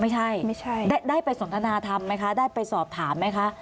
ไม่ใช่ได้ไปสนทนาธรรมไหมคะได้ไปสอบถามไหมคะ